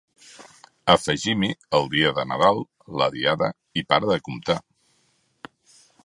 Afegim-hi el dia de Nadal, la Diada i para de comptar.